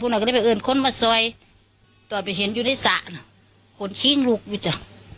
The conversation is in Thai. ผู้น้าก็มาเอ่นคนมาซอยนะครับก็ไปเห็นอยู่ในสระน้ำ